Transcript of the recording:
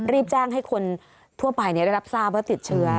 รีบแจ้งให้คนทั่วไปได้รับทราบว่าติดเชื้อ